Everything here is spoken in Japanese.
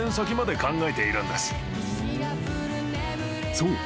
［そう。